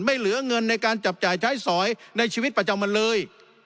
เหลือเงินในการจับจ่ายใช้สอยในชีวิตประจำวันเลย